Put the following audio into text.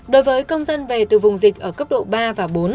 đối với công dân về từ vùng dịch ở cấp độ ba và bốn